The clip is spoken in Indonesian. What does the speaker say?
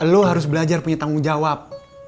lu harus belajar punya tanggung jawab